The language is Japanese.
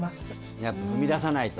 やっぱ踏み出さないと。